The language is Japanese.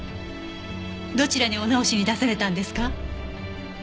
どちらにお直しに出されたんですか？